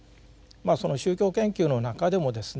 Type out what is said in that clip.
その宗教研究の中でもですね